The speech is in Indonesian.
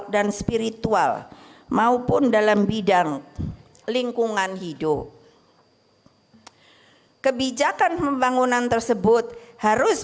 dan spiritual maupun dalam bidang lingkungan hidup kebijakan pembangunan tersebut harus